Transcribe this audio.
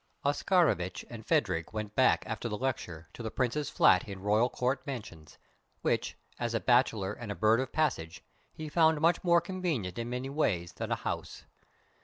Oscarovitch and Phadrig went back after the lecture to the Prince's flat in Royal Court Mansions, which, as a bachelor and a bird of passage, he found much more convenient in many ways than a house.